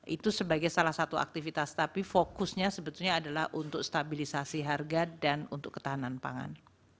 itu sebagai salah satu aktivitas tapi fokusnya sebetulnya adalah untuk stabilisasi harga dan untuk ketahanan pangan